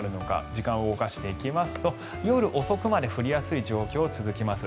時間を動かしていきますと夜遅くまで降りやすい状況が続きます。